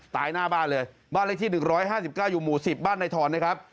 หน้าบ้านเลยบ้านเลขที่๑๕๙อยู่หมู่๑๐บ้านในทรนะครับ